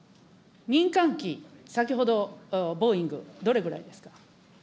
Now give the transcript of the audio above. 民間機、先ほどボーイング、どれぐらいですか。